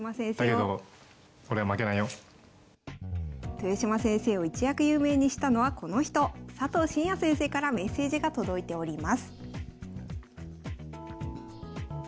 豊島先生を一躍有名にしたのはこの人佐藤紳哉先生からメッセージが届いております。